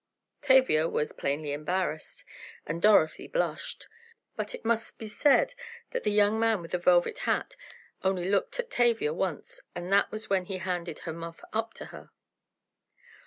Tavia was plainly embarrassed, and Dorothy blushed. But it must be said that the young man with the velvet hat only looked at Tavia once and that was when he handed her muff up to her.